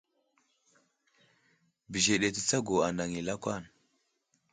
Bəzeɗe tətsago anaŋ i lakwan.